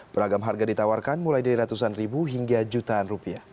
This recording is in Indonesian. beragam harga ditawarkan mulai dari ratusan ribu hingga jutaan rupiah